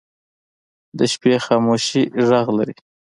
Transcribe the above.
د شپې خاموشي غږ لري